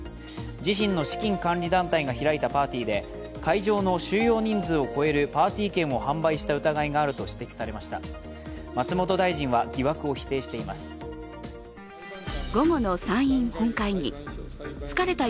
自身の資金管理団体が開いたパーティーで会場の収容人数を超えるパーティー券を販売した疑いがあるとされました。